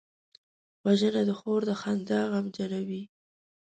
وژنه د خور د خندا غمجنوي